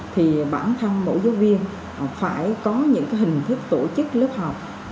thì bản thân mỗi giáo viên phải có những hình thức tổ chức lớp học